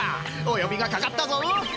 お呼びがかかったぞ。